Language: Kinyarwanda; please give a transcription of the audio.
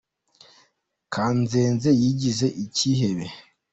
Kanzenze yigize icyihebe.